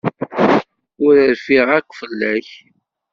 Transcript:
Ur rfiɣ akk fell-ak.